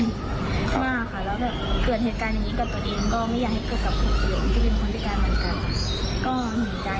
แล้วก็เกิดเหตุการณ์เหมือนกับตัวเอง